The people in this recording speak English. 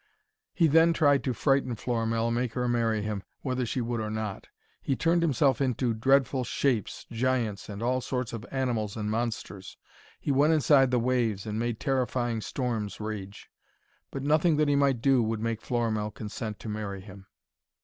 He then tried to frighten Florimell and make her marry him, whether she would or not. He turned himself into dreadful shapes giants, and all sorts of animals and monsters. He went inside the waves, and made terrifying storms rage. But nothing that he might do would make Florimell consent to marry him.